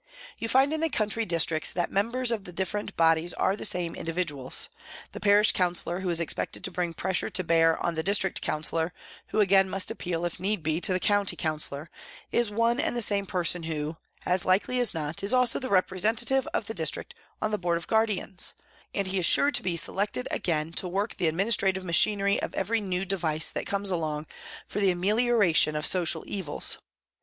You find in the country districts that members of these different bodies are the same individuals. The parish councillor who is expected to bring 6 PRISONS AND PRISONERS pressure to bear on the district councillor, who again must appeal, if need be, to the county coun cillor, is one and the same person who, as likely as not, is also the representative of the district on the board of guardians, and he is sure to be selected again to work the administrative machinery of every new device that comes along for the ameliora tion of social evils.